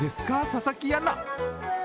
佐々木アナ。